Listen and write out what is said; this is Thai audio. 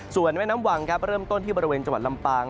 ส่วนแม่น้ำวังครับเริ่มต้นที่บริเวณจังหวัดลำปาง